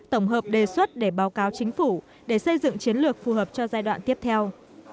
tổng hợp đề xuất để báo cáo chính phủ để xây dựng chiến lược phù hợp cho giai đoạn tiếp theo